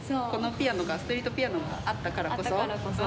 このピアノがストリートピアノがあったからこそ。